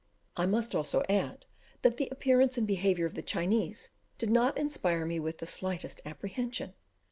I must also add, that the appearance and behaviour of the Chinese did not inspire me with the slightest apprehension.